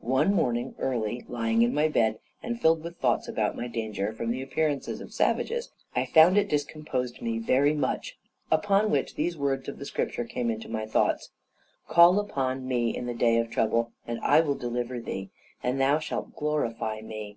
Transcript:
One morning early, lying in my bed, and filled with thoughts about my danger from the appearances of savages, I found it discomposed me very much; upon which these words of the Scripture came into my thoughts, "Call upon Me in the day of trouble, and I will deliver thee, and thou shalt glorify Me."